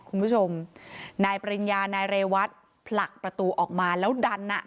คุณผู้ชมนายปริญญานายเรวัตผลักประตูออกมาแล้วดันอ่ะ